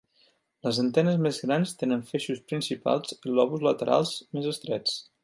Les antenes més grans tenen feixos principals i lòbuls laterals més estrets.